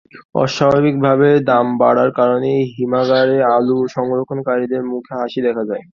অস্বাভাবিকভাবে দাম বাড়ার কারণে হিমাগারে আলু সংরক্ষণকারীদের মুখে হাসি দেখা দেয়।